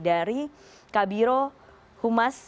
dari kabiro humas